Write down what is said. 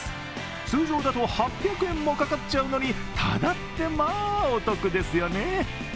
通常だと８００円もかかっちゃうのに、タダってお得ですよね。